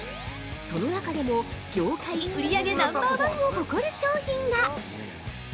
その中でも、業界売り上げナンバー１を誇る商品が！